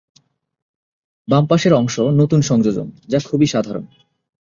বাম পাশের অংশ নতুন সংযোজন যা খুবই সাধারণ।